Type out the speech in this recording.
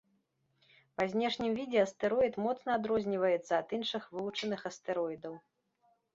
Па знешнім відзе астэроід моцна адрозніваецца ад іншых вывучаных астэроідаў.